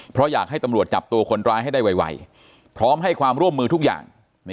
เพราะอยากให้ตำรวจจับตัวคนร้ายให้ได้ไวพร้อมให้ความร่วมมือทุกอย่าง